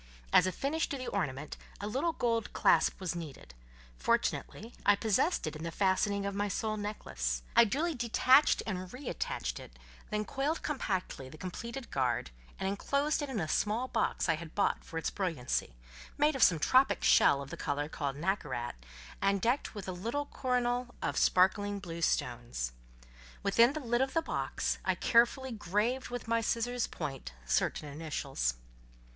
As a finish to the ornament, a little gold clasp was needed; fortunately I possessed it in the fastening of my sole necklace; I duly detached and re attached it, then coiled compactly the completed guard; and enclosed it in a small box I had bought for its brilliancy, made of some tropic shell of the colour called "nacarat," and decked with a little coronal of sparkling blue stones. Within the lid of the box, I carefully graved with my scissors' point certain initials.